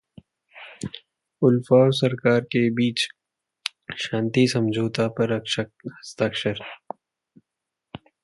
उल्फा और सरकार के बीच शांति समझौता पर हस्ताक्षर